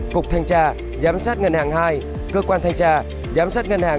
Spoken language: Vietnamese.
cục thanh tra giám sát ngân hàng hai cơ quan thanh tra giám sát ngân hàng